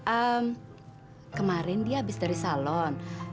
eh kemarin dia habis dari salon